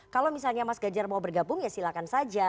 kalau misalnya mas ganjar mau bergabung ya silahkan saja